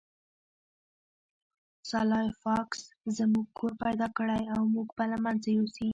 سلای فاکس زموږ کور پیدا کړی او موږ به له منځه یوسي